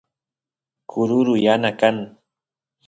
kururu yana kan